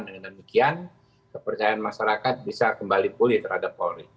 dengan demikian kepercayaan masyarakat bisa kembali pulih terhadap polri